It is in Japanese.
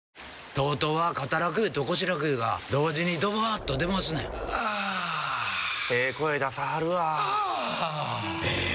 ＴＯＴＯは肩楽湯と腰楽湯が同時にドバーッと出ますねんあええ声出さはるわあええ